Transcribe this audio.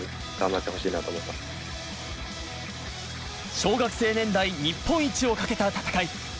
小学生年代日本一を懸けた戦い。